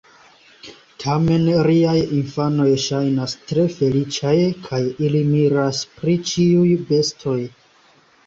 Tamen riaj infanoj ŝajnas tre feliĉaj, kaj ili miras pri ĉiuj bestoj.